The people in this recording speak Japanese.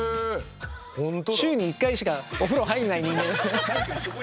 週に１回しかお風呂入らない人間に。